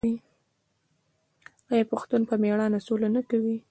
آیا پښتون په میړانه سوله نه کوي؟